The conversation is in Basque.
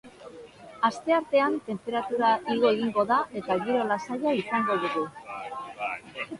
Asteartean tenperatura igo egingo da eta giro lasaia izango dugu.